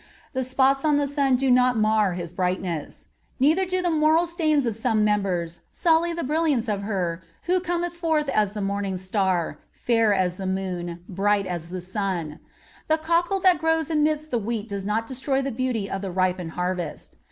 The spots on the sun do not mar his brightness. Neither do the moral stains of some members sully the brilliancy of her "who cometh forth as the morning star, fair as the moon, bright as the sun."(52) The cockle that grows amidst the wheat does not destroy the beauty of the ripened harvest.